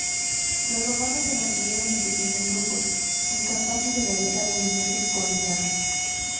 Los romanos se mantuvieron en pequeños grupos, incapaces de realizar movimientos coordinados.